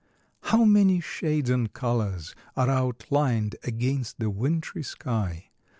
How many shades and colors are outlined against the wintry sky!